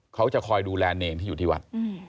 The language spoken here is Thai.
เขาจะคอยดูแลเนรที่อยู่ที่วัด